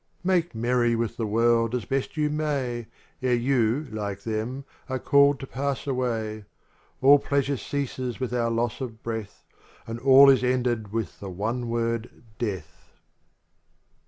Make merry with the world as best you may, Ere you, like them, are called to pass away. All pleasure ceases with our loss of breath, And all is ended with the one word DEATH.